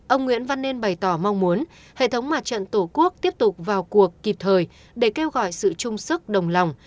ông nguyễn văn nên bày tỏ mong muốn hệ thống mặt trận tổ quốc tiếp tục vào cuộc kịp thời để kêu gọi sự chung sức đồng lòng